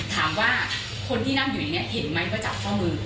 ถามว่าคนที่นั่งอยู่นี่เห็นไหมก็จับพ่อมือ